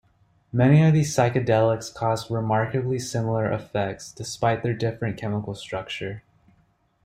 Many of these psychedelics cause remarkably similar effects, despite their different chemical structure.